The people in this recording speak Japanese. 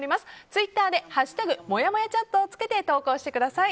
ツイッターで「＃もやもやチャット」をつけて投稿してください。